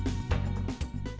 hẹn gặp lại